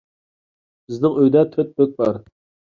بىزنىڭ ئۆيدە تۆت بۆك بار.